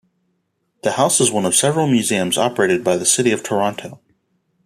The house is one of the several museums operated by the City of Toronto.